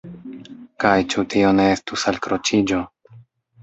Kaj ĉu tio ne estus alkroĉiĝo?